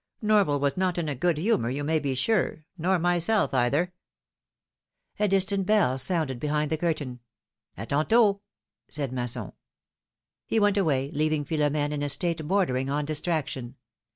Norval was not in a good humor, you may be sure — nor myself either.^^ A distant bell sounded behind the curtain. tantdt!^' said Masson. He went away, leaving Philom^ne in a state bordering on distraction.